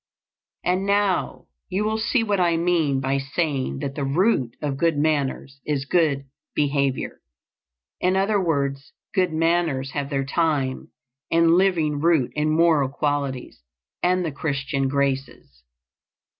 And now you will see what I mean by saying that the root of good manners is good behavior. In other words, good manners have their time and living root in moral qualities and the Christian graces.